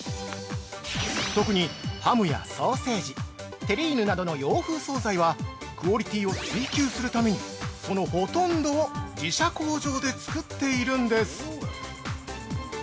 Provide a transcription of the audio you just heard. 特に、ハムやソーセージ、テリーヌなどの洋風総菜はクオリティーを追求するためにそのほとんどを自社工場で作っているんです。